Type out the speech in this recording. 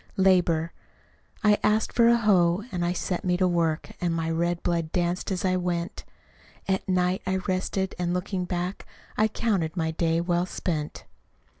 Labor I asked for a hoe, and I set me to work, And my red blood danced as I went: At night I rested, and looking back, I counted my day well spent.